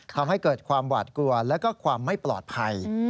ทำให้เกิดความหวาดกลัวแล้วก็ความไม่ปลอดภัย